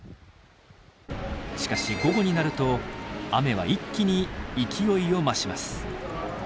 しかし午後になると雨は一気に勢いを増します。